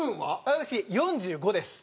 私４５です。